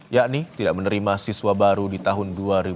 yakni tidak menerima siswa baru di tahun dua ribu dua puluh